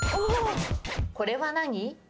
これは何？